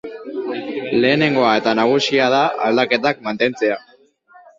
Lehenengoa eta nagusia da aldaketak mantentzea.